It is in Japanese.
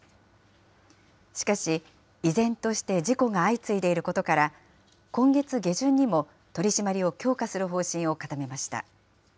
しかし、依然として事故が相次いでいることから、今月下旬にも取締りを強化する方針を固めました。